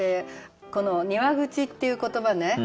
この「庭口」っていう言葉ね